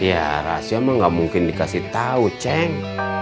ya rahasia mah gak mungkin dikasih tahu ceng